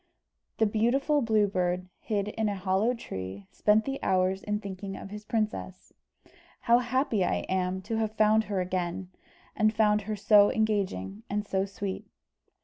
The beautiful Blue Bird, hid in a hollow tree, spent the hours in thinking of his princess. "How happy I am to have found her again, and found her so engaging and so sweet."